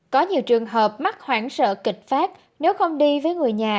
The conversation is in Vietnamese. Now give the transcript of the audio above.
có nhiều trường hợp mắc hoãn sợ kịch phát nếu không đi với người nhà